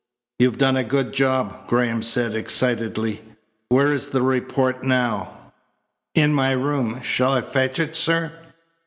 "You've done a good job," Graham said excitedly. "Where is the report now?" "In my room. Shall I fetch it, sir?"